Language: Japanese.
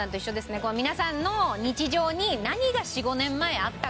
皆さんの日常に何が４５年前あったか。